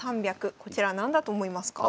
こちら何だと思いますか？